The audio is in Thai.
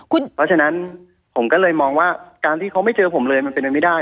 เพราะฉะนั้นผมก็เลยมองว่าการที่เขาไม่เจอผมเลยมันเป็นไปไม่ได้